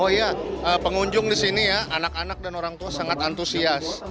oh iya pengunjung di sini ya anak anak dan orang tua sangat antusias